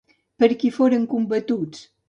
Per qui foren combatuts?